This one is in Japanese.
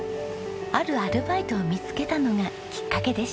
あるアルバイトを見つけたのがきっかけでした。